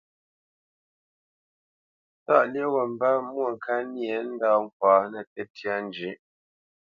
Tâʼ lyéʼ wût mbə́ Mwôŋkát nyê ndâ ŋkwǎ nə́ tə́tyā njʉ̌ʼ.